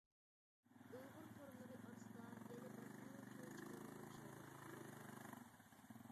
ئۇيغۇر تورلىرى ئارىسىدا يەنە بىر ئەڭ چوڭ چىقىدىغان ئوخشايدۇ. ھەي.